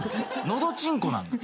のどちんこなんだ。